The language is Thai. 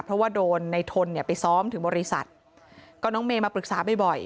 เพราะว่าโดนในทนเนี่ยไปซ้อมถึงบริษัทก็น้องเมย์มาปรึกษาบ่อยบ่อย